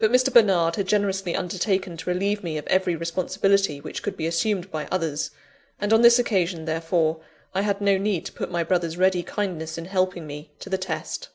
But Mr. Bernard had generously undertaken to relieve me of every responsibility which could be assumed by others; and on this occasion, therefore, I had no need to put my brother's ready kindness in helping me to the test.